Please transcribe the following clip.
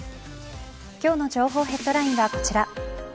今日の情報ヘッドラインはこちら。